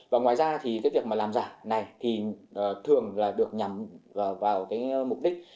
và ngoài ra thì cái việc mà làm giả này thì thường là được nhằm vào cái mục đích